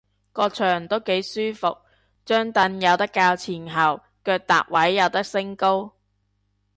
個場都幾舒服，張櫈有得較前後，腳踏位有得升高